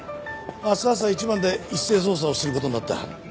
明日朝一番で一斉捜査をする事になった。